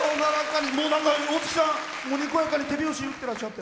にこやかに手拍子打ってらっしゃって。